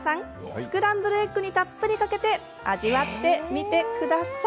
スクランブルエッグにたっぷりかけて味わってみてください。